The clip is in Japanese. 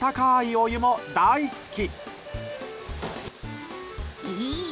お湯も大好き！